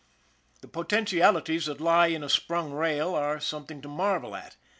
The potentialties that lie in a sprung rail are some thing to marvel at.